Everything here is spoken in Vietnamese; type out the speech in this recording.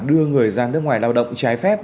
đưa người ra nước ngoài lao động trái phép